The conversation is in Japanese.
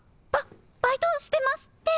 ババイトしてます！です！